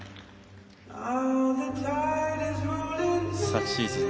昨シーズン